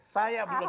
saya belum lewat